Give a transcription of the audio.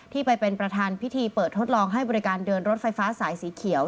ไปเป็นประธานพิธีเปิดทดลองให้บริการเดินรถไฟฟ้าสายสีเขียว